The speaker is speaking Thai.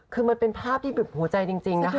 คือมันเป็นภาพที่บึบหัวใจจริงนะคะ